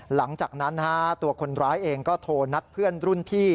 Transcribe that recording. หลังจากนั้นตัวคนร้ายเองก็โทรนัดเพื่อนรุ่นพี่